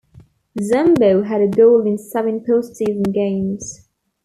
Zombo had a goal in seven post-season games.